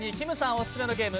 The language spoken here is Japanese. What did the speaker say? オススメのゲーム